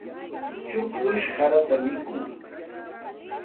Chukllush sarata mikun.